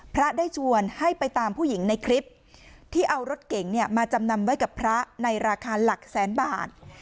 พระได้ชวนให้ไปตามผู้หญิงในคลิปที่เอารถเก๋งมาจำนำไว้กับพระในราคาหลักแสนบาท